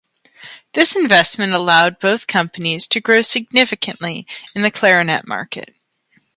This investment allowed both companies to grow significantly in the clarinet market.